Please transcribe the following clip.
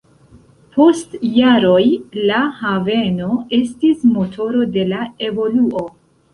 Post jaroj la haveno estis motoro de la evoluo.